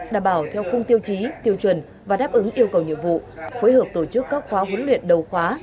đảm bảo theo khung tiêu chí tiêu chuẩn và đáp ứng yêu cầu nhiệm vụ phối hợp tổ chức các khóa huấn luyện đầu khóa